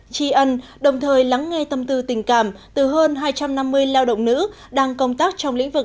tri ân đồng thời lắng nghe tâm tư tình cảm từ hơn hai trăm năm mươi lao động nữ đang công tác trong lĩnh vực